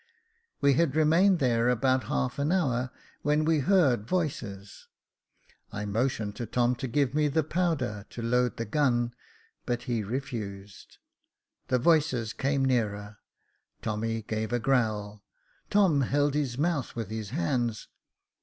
We had remained there about half an hour when we heard voices. I motioned to Tom to give me the powder to load the gun, but he refused. The voices came nearer ; Tommy gave a low growl. Tom held his mouth with his hands.